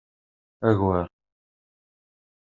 Agar.